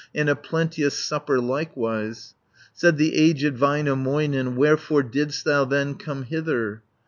And a plenteous supper likewise." Said the aged Väinämöinen, "Wherefore didst thou then come hither?"